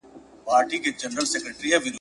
په هر جنګ کي مي بری دی اسمانونو آزمېیلی ,